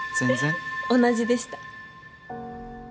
同じでした。